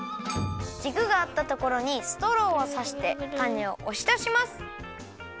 じくがあったところにストローをさしてたねをおしだします。